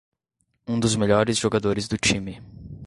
Um dos melhores jogadores do time.